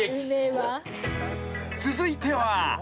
［続いては］